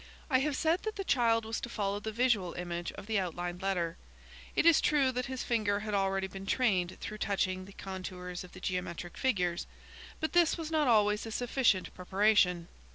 I have said that the child was to follow the visual image of the outlined letter. It is true that his finger had already been trained through touching the contours of the geometric figures, but this was not always a sufficient preparation.